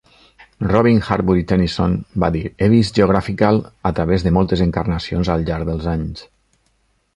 Robin Hanbury-Tenison va dir: "He vist "Geographical" a través de moltes encarnacions al llarg dels anys.